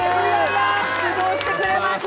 出動してくれました。